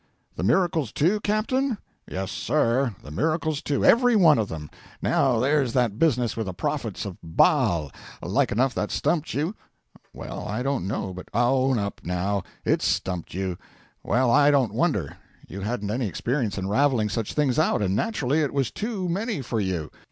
'The miracles, too, captain?' 'Yes, sir! the miracles, too. Every one of them. Now, there's that business with the prophets of Baal; like enough that stumped you?' 'Well, I don't know but ' 'Own up, now; it stumped you. Well, I don't wonder. You hadn't any experience in ravelling such things out, and naturally it was too many for you.